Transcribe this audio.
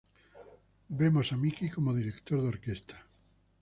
Vemos a Mickey como director de orquesta.